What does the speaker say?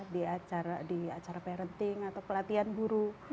di acara parenting atau pelatihan guru